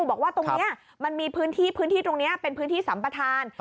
บอกว่าตรงนี้มันมีพื้นที่พื้นที่ตรงนี้เป็นพื้นที่สัมปทาน